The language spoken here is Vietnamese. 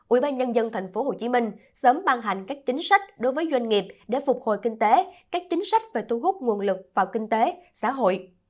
ủy ban nhân dân tp hcm sớm ban hành các chính sách đối với doanh nghiệp để phục hồi kinh tế các chính sách về thu hút nguồn lực vào kinh tế xã hội